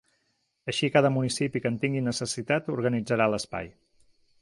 Així cada municipi que en tingui necessitat organitzarà l’espai.